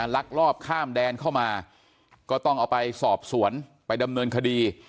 ลักลอบข้ามแดนเข้ามาก็ต้องเอาไปสอบสวนไปดำเนินคดี